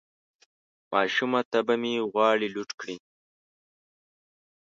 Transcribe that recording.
ماشومه طبعه مې غواړي لوټ کړي